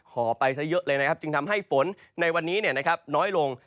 ห่อไปซะเยอะเลยนะครับจึงทำให้ฝนในวันนี้เนี่ยนะครับน้อยลง